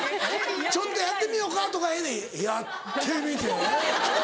「ちょっとやってみよか」とか「やってみて」。